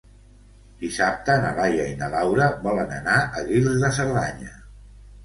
Dissabte na Laia i na Laura volen anar a Guils de Cerdanya.